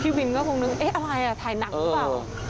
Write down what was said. วินก็คงนึกเอ๊ะอะไรถ่ายหนังหรือเปล่า